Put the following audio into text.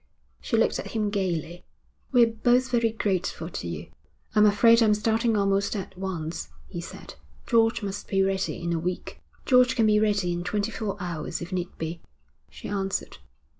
She looked at him gaily. 'We're both very grateful to you.' 'I'm afraid I'm starting almost at once,' he said. 'George must be ready in a week.' 'George can be ready in twenty four hours if need be,' she answered.